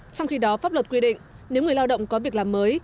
trong khi đó pháp luật quy định nếu người lao động có việc làm mới